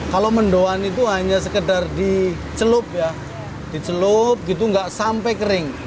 kalau mendoan itu hanya sekedar dicelup ya dicelup gitu nggak sampai kering